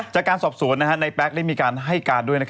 จากการสอบสวนในแป๊กได้มีการให้การด้วย